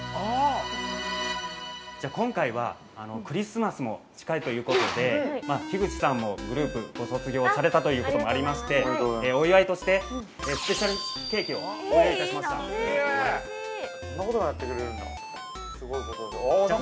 ◆じゃあ、今回はクリスマスも近いということで樋口さんもグループご卒業されたということもありまして、お祝いとしてスペシャルケーキをご用意いたしました。